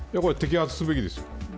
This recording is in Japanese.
これは摘発すべきです。